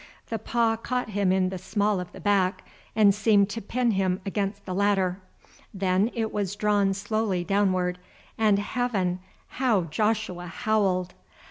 The paw caught him in the small of the back, and seemed to pin him against the ladder. Then it was drawn slowly downward, and heaven! how Joshua howled.